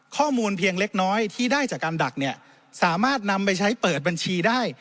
เพียงเล็กน้อยที่ได้จากการดักเนี่ยสามารถนำไปใช้เปิดบัญชีได้